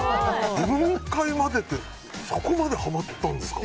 分解までってそこまでハマったんですか。